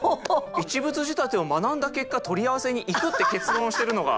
一物仕立てを学んだ結果取り合わせにいくって結論してるのが。